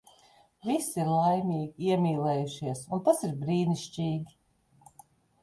Visi ir laimīgi, iemīlējušies. Un tas ir brīnišķīgi.